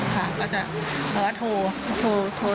ค่ะก็จะแล้วก็โทร